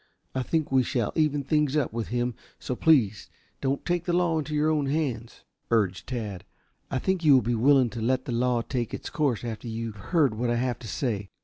"I think we shall even things up with him, so please don't take the law into your own hands," urged Tad. "I think you will be willing to let the law take its course after you have heard what I have to say.